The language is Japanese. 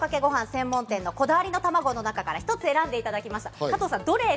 専門店のこだわりたまごの中から１つ選んでいただきました。